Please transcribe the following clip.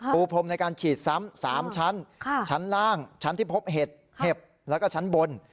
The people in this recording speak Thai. ปูพรมในการฉีดซ้ำ๓ชั้นชั้นล่างชั้นที่พบเห็ดเห็บแล้วก็ชั้นบน